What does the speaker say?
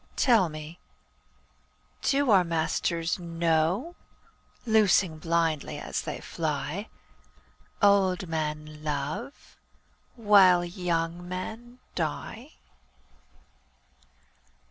Tell me, do our masters know, Loosing blindly as they fly, Old men love while young men die?